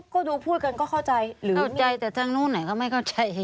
ก็ดูพูดกันก็เข้าใจหรือติดใจแต่ทางนู้นไหนก็ไม่เข้าใจ